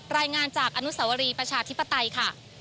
รายงานจากอนุสวรีประชาธิปไตยค่ะ